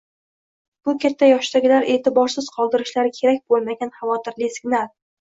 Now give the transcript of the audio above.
Bu katta yoshdagilar e’tiborsiz qoldirishlari kerak bo‘lmagan xavotirli signal.